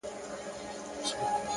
د گل خندا!!